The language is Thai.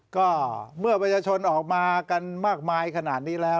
ก็เมื่อประชาชนออกมากันมากมายขนาดนี้แล้ว